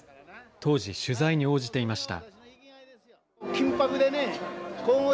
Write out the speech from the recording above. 当時、取材に応じていました。